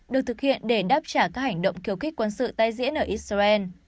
được thực hiện để đáp trả các hành động kiều kích quân sự tay diễn ở israel